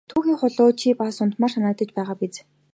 Түүхий хулуу чи бас унтмаар санагдаж байгаа биз!